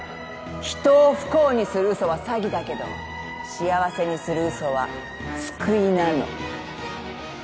人を不幸にするうそは詐欺だけど幸せにするうそは救いなの。